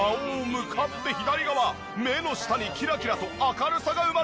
向かって左側目の下にキラキラと明るさが生まれている！